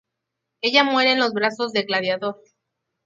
Ella muere en los brazos de Gladiador.